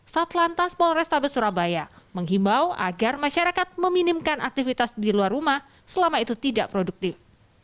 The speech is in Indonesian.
satlantas polrestabes surabaya menghimbau agar masyarakat meminimkan aktivitas di luar rumah selama itu tidak produktif